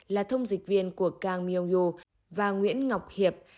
là thông dịch viên của kang myong yoo và nguyễn ngọc hiệp